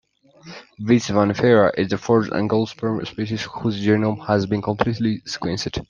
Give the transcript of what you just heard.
"Vitis vinifera" is the fourth angiosperm species whose genome has been completely sequenced.